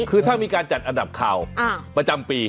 คือถ้ามีการจัดอันดับข่าวประจำปี